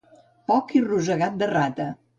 Poc i rosegat de rata.